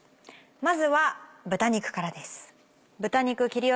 まずは豚肉からです。